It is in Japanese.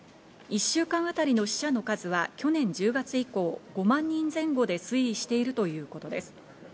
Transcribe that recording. １週間あたりの死者の数は去年１０月以降、５万人前後で推移しているということです。